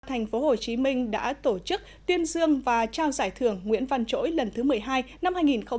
thành phố hồ chí minh đã tổ chức tuyên dương và trao giải thưởng nguyễn văn chỗi lần thứ một mươi hai năm hai nghìn hai mươi